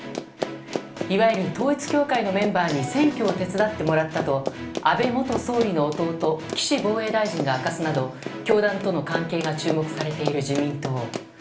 いわゆる統一教会のメンバーに選挙を手伝ってもらったと安倍元総理の弟岸防衛大臣が明かすなど教団との関係が注目されている自民党。